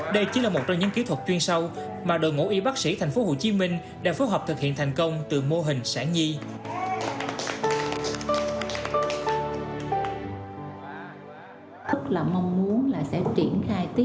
đây chỉ là một trong những kỹ thuật chuyên sâu mà đội ngũ y bác sĩ tp hcm đã phối hợp thực hiện thành công từ mô hình sản nhi